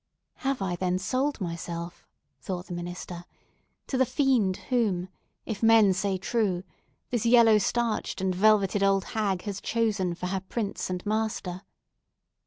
"Have I then sold myself," thought the minister, "to the fiend whom, if men say true, this yellow starched and velveted old hag has chosen for her prince and master?"